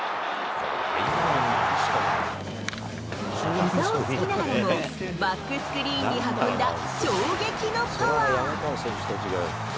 ひざをつきながらも、バックスクリーンに運んだ衝撃のパワー。